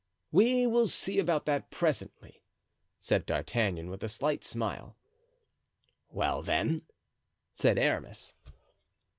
"We will see about that presently," said D'Artagnan, with a slight smile. "Well, then?" said Aramis.